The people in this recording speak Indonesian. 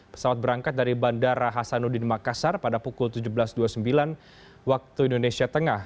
pesawat berangkat dari bandara hasanuddin makassar pada pukul tujuh belas dua puluh sembilan waktu indonesia tengah